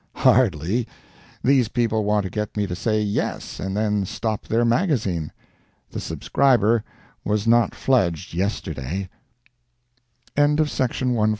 Hardly. These people want to get me to say Yes, and then stop their magazine. The subscriber was not fledged yesterday. THE GALAXY, August 1870 MEMORANDA.